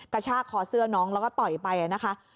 กระชากคอเสื้อน้องแล้วก็ต่อยไปนะคะ